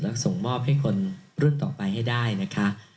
และส่งมอบให้คนรุ่นต่อไปให้ได้นะคะ